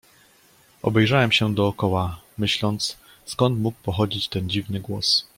"Obejrzałem się dokoła, myśląc, skąd mógł pochodzić ten dziwny głos."